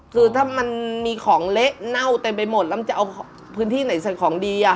คือถ้ามันมีของเละเน่าเต็มไปหมดแล้วมันจะเอาพื้นที่ไหนใส่ของดีอ่ะ